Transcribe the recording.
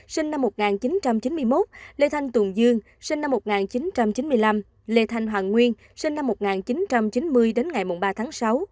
sinh năm một nghìn chín trăm chín mươi một lê thanh tùng dương sinh năm một nghìn chín trăm chín mươi năm lê thanh hoàng nguyên sinh năm một nghìn chín trăm chín mươi đến ngày ba tháng sáu